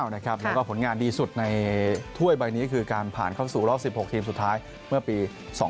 แล้วก็ผลงานดีสุดในถ้วยใบนี้คือการผ่านเข้าสู่รอบ๑๖ทีมสุดท้ายเมื่อปี๒๕๖